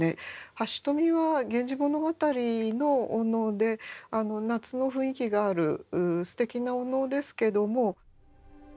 「半蔀」は「源氏物語」のお能で夏の雰囲気があるすてきなお能ですけども。